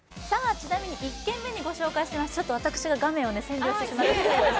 ちなみに１軒目にご紹介しています。